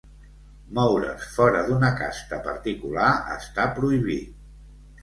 Moure's fora d'una casta particular està prohibit.